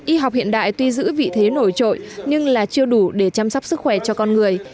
y học hiện đại tuy giữ vị thế nổi trội nhưng là chưa đủ để chăm sóc sức khỏe cho con người